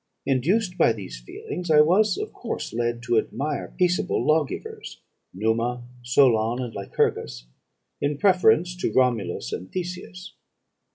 Induced by these feelings, I was of course led to admire peaceable lawgivers, Numa, Solon, and Lycurgus, in preference to Romulus and Theseus.